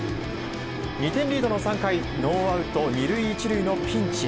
２点リードの３回ノーアウト２塁１塁のピンチ。